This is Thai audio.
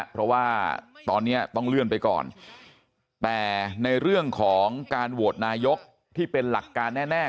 เพราะว่าตอนนี้ต้องเลื่อนไปก่อนแต่ในเรื่องของการโหวตนายกที่เป็นหลักการแน่